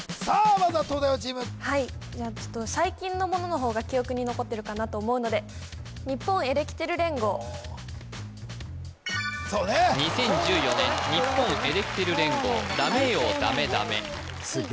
まずは東大王チームはいじゃちょっと最近のものの方が記憶に残ってるかなと思うので２０１４年日本エレキテル連合「ダメよダメダメ」